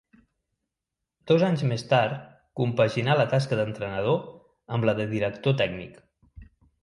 Dos anys més tard compaginà la tasca d'entrenador amb la de director tècnic.